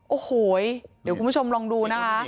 โอ้โหเดี๋ยวคุณผู้ชมลองดูนะคะ